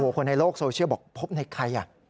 คนในโลกโซเชียลบอกพบในใคร